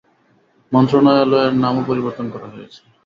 মন্ত্রণালয়ের নামও পরিবর্তন করা হয়েছে।